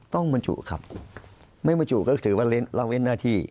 ต้องบรรจุครับไม่บรรจุก็คือว่าเล่นลองเล่นหน้าที่